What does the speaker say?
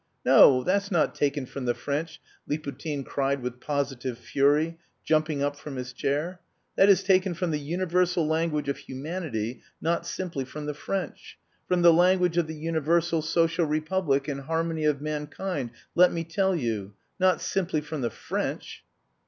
"No, that's not taken from the French," Liputin cried with positive fury, jumping up from his chair. "That is taken from the universal language of humanity, not simply from the French. From the language of the universal social republic and harmony of mankind, let me tell you! Not simply from the French!"